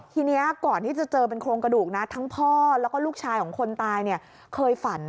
ทีนี้ก่อนที่จะเจอเป็นโครงกระดูกทั้งพ่อแล้วก็ลูกชายของคนตาย